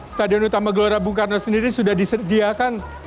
stadion utama gelora bung karno sendiri sudah disediakan